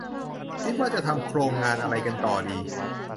คิดว่าจะทำโครงงานอะไรกันต่อดี